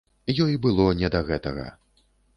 Ёй было не да гэтага.